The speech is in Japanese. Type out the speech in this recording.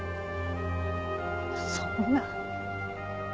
そんな。